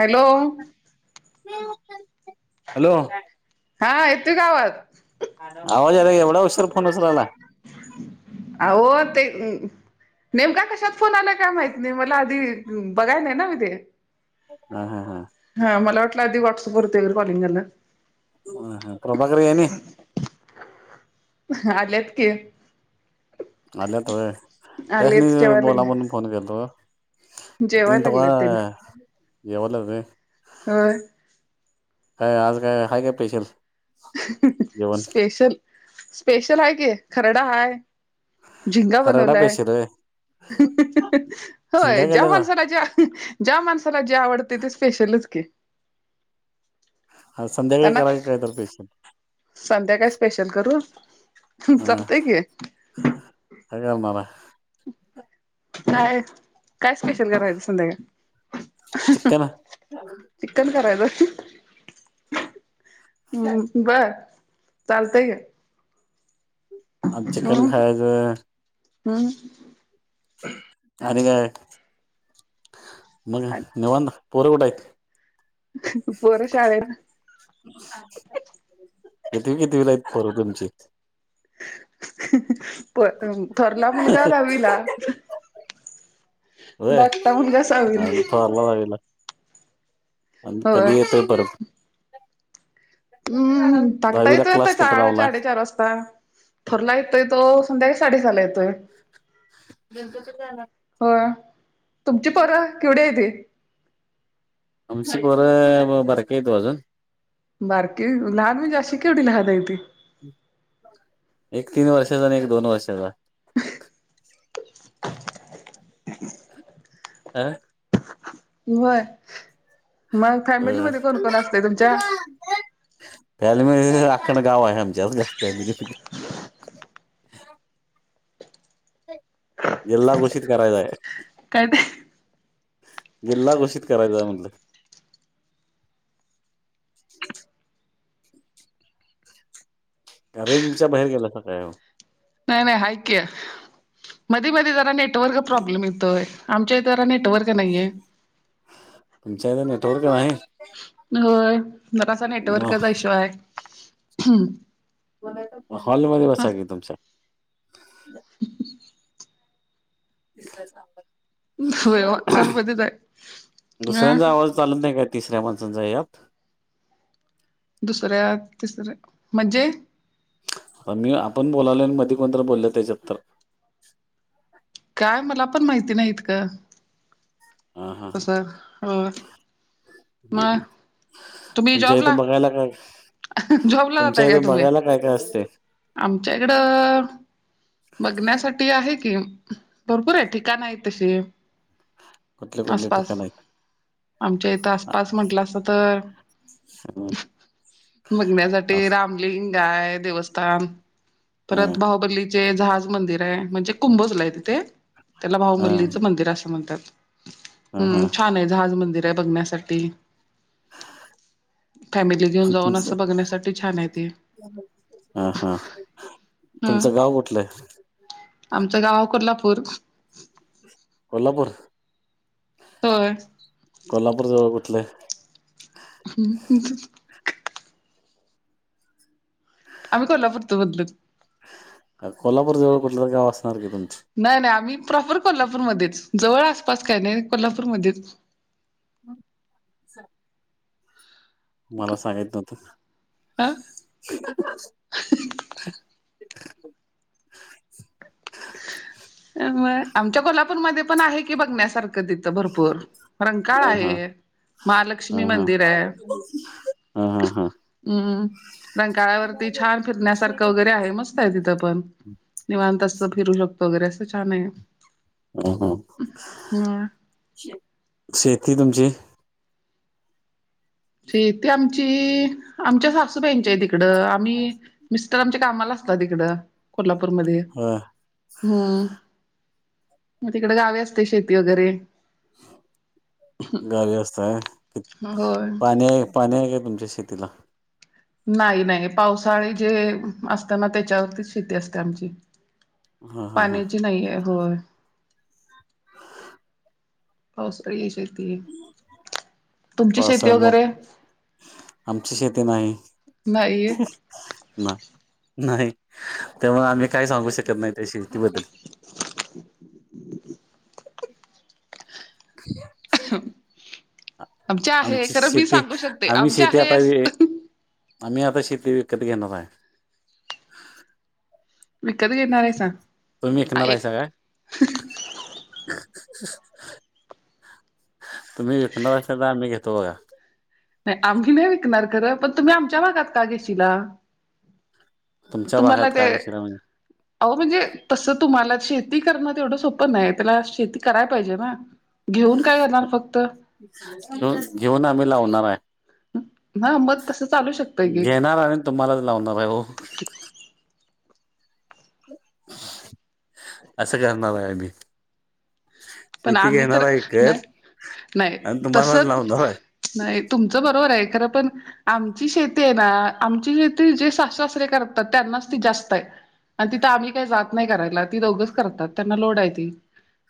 Hello! Hello. हा येत आवाज? आवाज आला एवढा हशर फोन उचलायला? आहो ते. नेमका कशात फोन आलाय काय माहती नाही मला आधी बघाय नाही ना मी ते. हा हा हा. हा मला वाटलं आधी व्हॉट्सअपवरते कॉलिंगाला. ह हा प्रभाकररी येन. आल्यात कि. आल्या तोय त्याशनी आलेत जेवायला बोला म्हणून लागले फोन केला तो. म इन जेवायला तका लागलेत त्यांनी यवले. होय. हे आज काय हायके स्पेशल? जेवण स्पेशल स्पेशल आहे क खरडा हाय. झिंगा खरडा बनवलाय. स्पेशल होय [unintelligible] होय शिंगा जवण केल्याचा सनाच्या. ज्या माणसाला जे आवडते ते स्पेशलच की. अ संध्याकाळी करा कायतार स्पेशल. संध्याकाय स्पेशल करू चालतंय की. ह आल मला. काय काय स्पेशल करायचं संध्याकाळ. [unintelligible] चिकन चिकन करायच हम् बर. चालतंय का. अ चिकन खायच. हम्म. आणि काय मग निवध पोर कुठ आहेत? पोरं शाळेला. किती किती लाईत खरं तुमची? प थोरला मुलग दवीला. व अ सहावीला आहे. फ. ला होय कधत प. हम्म टाकता दहावीला येतोय यता क्लास कुठं चारच्या लावलाय साडेचार वाजता. थोरला येतोय तो संध्याकाळी साडे साला येतोय. गलकचला. हो तुमची परं केवढी येते.. अमसिक वर बरकयेतो अजून. बारकी लहान मी अशी केवढी लहानतय तती. एक तीन वर्षाचा आणि एक दोन वर्षाचा. आं. वय, मग फॅमिलीमध्ये कोण कोण असत तुमच्या? फॅले म राखण गावामच्या. जिलला घोषित करायचाय. काय? जिल्हा घोषित करायचा म्हधलं. ह् [unintelligible] रेंजच्या बाहेर गेलास काय? नाही नाही ऐक मधी मध्ये जरा नेटवर्क प्रॉब्लेम येतोय. आमच्या इतरा नेटवर्क नाहीये. पंचायत नेटवर्क आहे. होय जरासा नेटवर्कचा हश्वाय. मग हॉलमध्येध्ये बसा क तुमच्या. तसर सां. यव हल बधत आहे हम. लत नाही काय तिसऱ्या माणसांचा यात. दुसऱ्या-तिसऱ्या म्हणजे. ता मी आपण बोलावले मध कोणतरी बोलल त्याच्यात तरर. काय मला पण माहिती नाहीत का हा हा हा तस हो. [inaudible] मग ह तुम्ही तुमच्या जॉबला इथं बघायला काय. जॉबला तुमच्या जाताय काय इथं तुम्ही? बघायला काय काय असते? आमच्या इकडं. बघण्यासाठी आहे की बरोपूर आहे ठिकाण आहे तशी. कुठले कुठले आसपास ठिकाण आहेत? आमच्या इथं आसपास म्हंटलं असत तर. ह बघण्यासाठी राम. गाय देवस्थान परत भाऊबरली. जे जहाज मंदिर आहे म्हणजे कुंभजला आहे तिथे त्याला ह भाहुमल्लीचं मंदिर असं म्हणतात. ह हम्म ह छान आहे जहाज मंदिर आहे बघण्यासाठी. [inaudible] फॅमिली घेऊन जाऊन असं बघण्यासाठी छान आहे ते. [inaudible] हा हा तुमचं हम्म गाव कुठलंय? आमचं गाव कोल्हापूर. कोल्हापूर. [inaudible] होय. कोल्हापूर जवळ कुठलं? हम्म. आम्ही कोल्हापूरत बदलूत. कोल्हापूर जवळ कुठलं तर गाव असणार की तुमची? नाही नाही आम्ही प्रॉफर कोल्हापूरमध्येच जवळ आसपास काही नाही कोल्हापूरमध्येच. हम् स [unintelligible] मला सांगित नवत. ह [unintelligible] म आमच्या कोल्हापूरमध्ये पण आहे की बघण्यासारखं तिथे. भरपूर रंकाळ हा हा आहे, हा महालक्ष्मी मंदिर आहे. हा हा हा हम्म रंकाळ्यावरती छान फिरण्यासारखं वगैरे आहे मस्त. तिथं पण निवां त अस फिरू शकतो वगैरे असं छान आहे. ह ह हम्. शेती तुमची‌ ते आमची आमच्या सासूबा्यांच्या आहे तिकडं आम्ही मिस्टर आमच्या कामालाच. अस तिकडं कोल्हापूरमध्येध्ये. हो. हम्म मग तिकडे गावे असते शेती वगैरे. गावी असतय क होय पाणी. पाणी आहे का तुमच्या शेतीला. नाही नाही पावसाळी जे असत ना त्याच्यावरती शेती असते आमची. हा हा हा पाण्याची नाहीे होय. पा स आहे शेती. तुमची शेती पावसा मग वगैरे? आमची शेती नाही. नाही ये. नाही त्यामुळे आम्ही काय सांगू शकत नाही त्या शती बदल. ह. [unintelligible] [unintelligible] आमच्या आहे आमची खरं मी शेती सांगू शकते आम्ही आमच्या शेती आहे. आता वि- आम्ही आता शेती विकत घेणार आहे. विकत घेणार आहे सांग तुम्ही विकणार आहे स एक काय? तुम्ही घेत न अस द आ मी घेतो बघा. नाही आम्ही नाही विकणार खरं पण तुम्ही आमच्या भागात का घेशला. तुमच्या तुम्हाला भागात ते. का कशीला [inaudible] अह म्हणजे तसं तुम्हाला शेती करणं तेवढं सोपं नाही त्याला शेती कराय पाहिजे ना. घेऊन काय करणार फक्त? घेऊन आम्ही लावणार आहे. ह मग तसं चालू शकतय की. तूम्हालाच लावणार हो. असं करणार आहे मी. पण शेती आम्ही तर घेणार नाही कत नाही आणि तुम्हालाच तसच लावणार आहे. नाही तुमचं बरोबर आहे खरं पण. आमची शेती आहे ना आमची शेती जे सासासरे करतात त्यांनाच ती जास्त आहे. आणि तिथं आम्ही काही जात नाही करायला ती दोघंच करतात त्यांना लोड आहे ती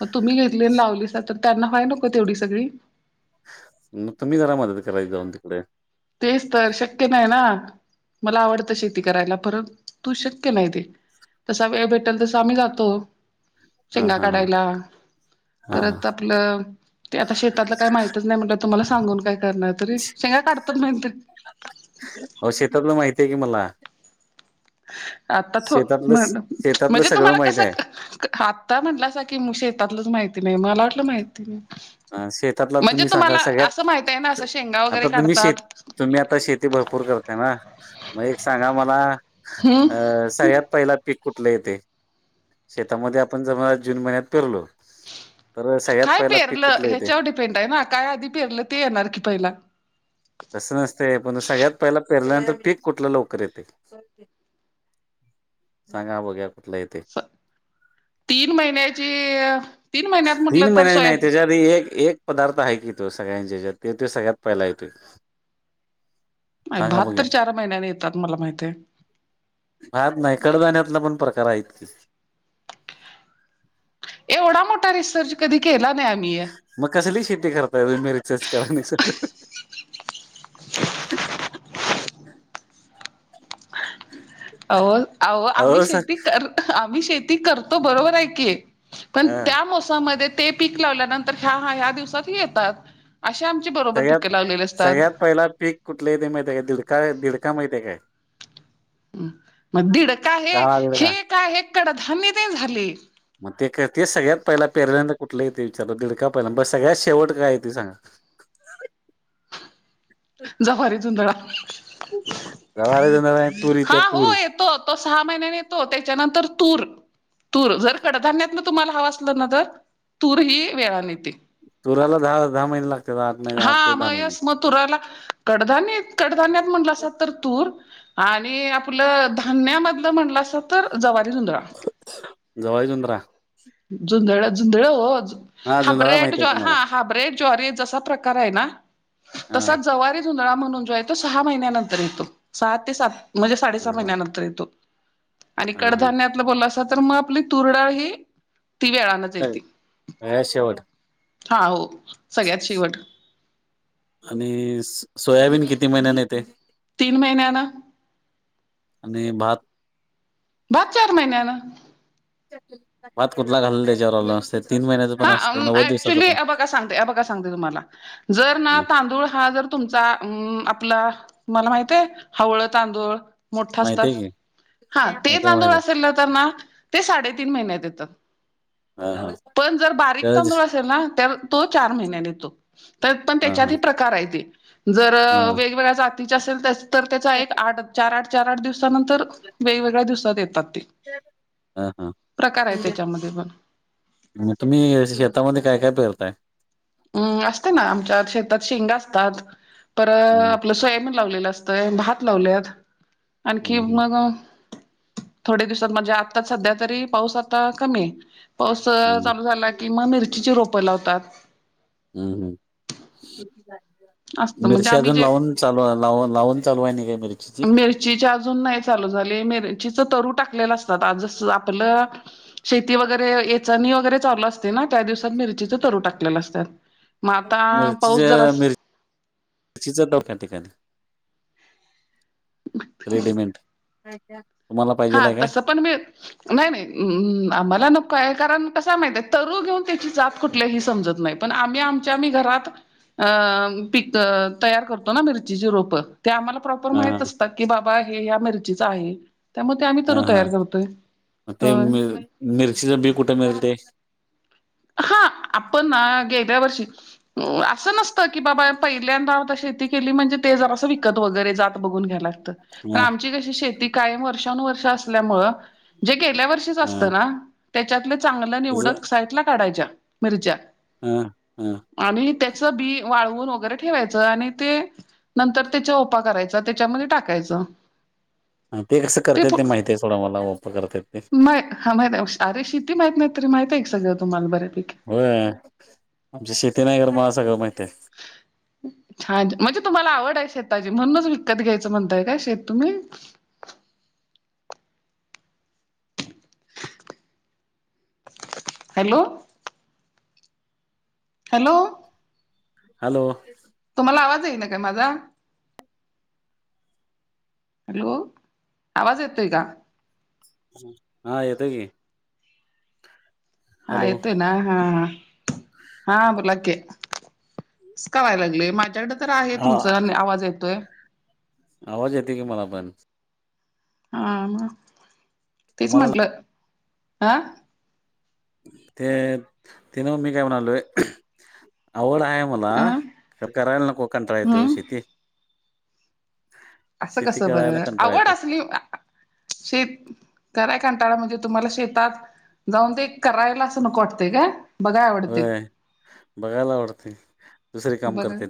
मग तुम्ही घ. ले लावली स तर त्यांना व्हाय नको तेवढी सगळी. मग तुम्ही जरा मदत करायची जाऊन तिकडे. तेच तर शक्य नाही ना. मला आवडतं शेती करायला परत तू शक्य नाही ते. तस हे भेटेल तसं आम्ही जातो हा शेंगा हा हा काढायला. हा परत आपलं. ते आता शेतातला काय माहितच नाही म्हट तुम्हाला सांगून काय करणार तरी सेंगा काढत. तत नाहींतर. हो शेताबला माहिती आहे की मला. आता तो शेतातलं म्ह शेतातलं म्हणजे सगळं तुम्हाला माहित कसं. आहे आत्ता म्हटलं अस की म शेतातलंच माहिती नाही मला वाटलं माहिती नाही. अ शेतातला म्हणजे तुम्ही सांगा तुम्हाला सगळ्यात असं माहित आहे ना असं शेंगा वगैरे आता तुम्ही काढतात. शेत तुम्ही आता शेती भरपूर करताय ना मग एक सांगा मला. हम्म अ सगळ्यात पहिला. पीक कुठलं येते शेतामध्ये आपण जव जून महिन्यात पिरलो. तर सगळ्यात काय पहिला पिक. पेरलं ह्याच्यावर डिपेंट आहे ना काय आधी पेरलं ते येणार की पहिला. तसं नसते पण सगळ्यात पहिला पेरल्यानंतर पीक कुठला लवकर येते. [inaudible] सांगा बघ्या कुठला यथे. [inaudible] तीन महिन्याची. तीन महिन्यात म्हटलं तीन तर महिन्यानी नाही सोयाब त्याच्या आधी एक-एक. पदार्थ आहे की तो सगळ्यांचे ज ते ते सगळ्यात पहिला येतो. भात तर चार महिन्याने येतात मला माहिती आहे..... भात नाही कडधण्यातला पण प्रकार आहेत की, एवढा मोठा रिसर्च कधी केला नाही आम्ही या.... मग कसली शेती करताय तुम्ही रिसर्च करताय... [inaudible] अहो अहो आम्ही शेती कर आम्ही शेती करतो बरोबर आहे की.... पण हा त्या मोसाममध्ये ते पीक लावल्यानंतर ह्या ह्या दिवसात येतात..... अे आमची बरोबर पिकं सगळ्यात लावलेले असतात.... सगळ्यात पहिला पीक.... कुठले इथे माहित आहे काय दिडका दिडका माहितय काय? मग दिड का आहे काळा दीडका हे काय आहे कडधान्य ते झाले.... मग ते ते सगळ्यात पहिला पेरल्यांदना कुठलं येते विचार दीडका पहिला ब सगळ्यात शेवट काय आहे त सांगा... जव्हारी झुंधळा.... जव्हरी जुदल हा हो येतो तो सहा महिन्याने येतो त्याच्यानंतर तूर तूर जर कडधान्यातन तुम्हाला हवं असलं ना तर तूरही वेळाने येते तुराला दहा दहा महिने लागतात आठ महिने आठ ते हा दहा मग यस महिने मग तुराला कडधानत कडधान्यात म्हटलं असा तर तूर... आणि आपलं धान्यामधलं म्हणलं असं तर जवारी जुंदल... जव्हारी जुंदळा जुंधळ जुधळ हो हा जुंधळा हाब्रेड माहिती ज आहे की हा मला हाब्रेड जर जसा प्रकार आहे ना हा तसा जव जुंधळा म्हणून जो आहे तो सहा महिन्यानंतर येतो सहा ते सात म्हणजे साडेसहा हा हा महिन्यानंतर येतो आणि हा हा कडधान्यातलं बोललं अस तर मग आपली तुरडाळ ही.... तीन वेळा अ शेवट.. हा हो... सगळ्यात शेवट आणि सोयाबीन किती महिन्याने येते.... तीन महिन्या ना..... आणि भात... भात चार महिन्याना... भात कुठला घाल त्याच्यावर अवलंबून असत... तीन महिन्या हा ऍक्च्युली अ बघ सांगते अ बघ सांगते तुम्हाला जर ना तांदूळ हा जर.... तुमचा अ आपला मला माहित आहे हवळ तांदूळ... मोठा माहिती आहे असतात की हा ते माहिती आहे तांदूळ माहिती आहे असेल ना तर ना ते साडेतीन महिन्यात येतात.... हा हा... पण जर बारीक तांदूळ असेल ना तर तो चार महिन्याने येतो... तर पण हा त्याच्यात प्रकार आहे ते जर हा वेगवेगळ्या जातीचे असेल तर... तर त्याचा एक आठ चार आठ चार आठ दिवसानंतर वेगवेगळ्या दिवसात येतात ते... हा हा प्रकार आहे त्याच्यामध्ये पण.... तुम्ही शेतामध्ये काय काय पेरताय? अम् असते ना आमच्या शेतात शेंग असतात पर हम्म आपल सोयाबीन लावलेलं असत.... भात लावल्यात आणखी हम्म हम्म मग.... थोडया दिवसात म्हणजे आताच सध्या तरी पाऊस आता कमी आहे... पावस चालू हम्म झाला की मग मिरचीची रोपं लावतात... हम्म हम् असतं म्हणजे मिरची आम्ही अजून जे लावून... चालू लाव लावून चालू आहे काय मिरची.... मिरची अजून नाही चालू झाली मिरचीच तरू टाकलेला असतात आज आपलं.... शेती वगैरे येचणी वगैरे चालू असते ना त्या दिवसात मिरचीचे तरू टाकलेले असतात..... मग आता पाऊस जरा शिजत डक [unintelligible] ठिकाणी. रेडीमेंट तुम्हाला पाहिजेल हा आहे काय? तसं पण मीळ नाही नाही आम्हाला नकोय कारण कसा माहित आहे तरु घेऊन त्याची जात कुठल्याही समजत नाही. पण आम्ही आमच्या आम्ही घरात अ पीक तयार करतो ना मिरचीचे रोप ते आम्हाला प्रॉपर हा माहित असतात. की बाबा हे ह्या मिरचीचा आहे. त्यामुळे ते आम्ही हा तरू हा तयार करतोय ते होय मि मिरचीच बी कुठे मिळते? हा आपण ना गेल्यावर्षी असं नसतं की बाबा पहिल्यांदा आता शेती केली म्हणजे ते जरा असं विकत वगैरे जात बघून घ्यायला पण हा हा आमची कशी शेती कायम वर्षानुवर्ष असल्यामुळे जे गेल्या वर्ष असतं ना त्याच्यात चांग त्याच निवड सायटला काढायच्या मिर्च्या ह ह आणि त्याचं बी वाळवून वगैरे ठेवायचं आणि ते नंतर त्याच्या ओपा करायचा ते त्याच्यामध्ये टाकायच ते कसं करतेत ते माहिती आहे सोडा मला ओप करतेत ते मा हा माहित आहे अरे शिती माहित नाहीत तरी माहित आहे एक सगळं तुम्हाला बऱ्यापैकी होय आमची शेती नाही कर मला सगळं माहिती आहे. हम्. छान म्हणजे तुम्हाला आवड आहे शेताची म्हणूनच विकत घ्यायचं म्हणताय काय शेत तुम्ही हॅलो हॅलो हॅलो तुम्हाला आवाज येई ना काय माझा? हॅलो आवाज येतो आहे का? हा येतो की. हा हॅलो येत ना हा ह हा बोला की असं का व्हाय लागलेय माझ्याकडे तर आहे हा तुमचा आवाज येतोय आवाज येते की मला पण हा म तेच तुम्हाला म्हंटलं हं ते ते नव्ह मी काय म्हणालोय आवड आहे मला अ खरं करायला नको कंटाळा येतोय हम्म शेती [inaudible] असं शेती कस करायला बरं कंटाळा आवड येतोय असली शेत कराय कंटाळा म्हणजे तुम्हाला शेतात जाऊन ते करायला असं नको वाटतंय काय? बघाय आवडते होय बघायला आवडते दुसर काम बघा करते.